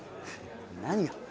何が？